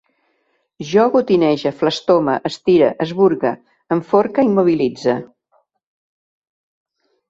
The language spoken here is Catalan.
Jo gotinege, flastome, estire, esburgue, enforque, immobilitze